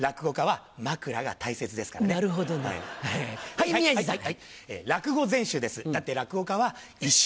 はい宮治さん。